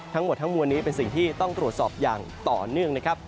ทั้งหมดทั้งมวลนี้เป็นสิ่งที่ต้องตรวจสอบอย่างต่อเนื่องนะครับ